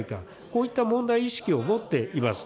こういった問題意識を持っています。